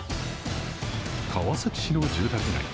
川崎市の住宅街。